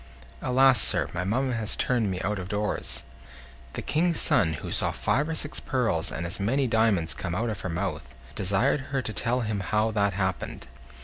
"Alas! sir, my mamma has turned me out of doors." The King's son, who saw five or six pearls and as many diamonds come out of her mouth, desired her to tell him how that happened.